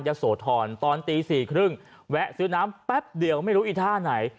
ยะโสธรตอนตีสี่ครึ่งแวะซื้อน้ำแป๊บเดี๋ยวไม่รู้อีท่าไหน